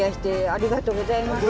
ありがとうございます。